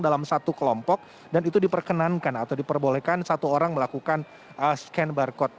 dalam satu kelompok dan itu diperkenankan atau diperbolehkan satu orang melakukan scan barcode